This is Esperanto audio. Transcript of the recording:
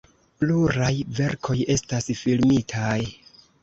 Pluraj verkoj estas filmitaj.